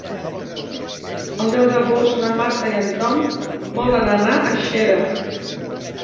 El deu d'agost na Marta i en Tom volen anar a Xera.